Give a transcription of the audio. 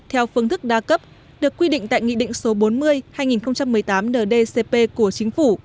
theo phương thức đa cấp được quy định tại nghị định số bốn mươi hai nghìn một mươi tám ndcp của chính phủ